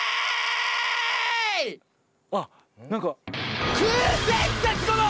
あっ何か。